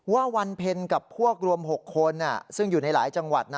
ว่าวันเพลินกับพวกรวม๑๐๐คนซึ่งอยู่ในหลายจังหวัด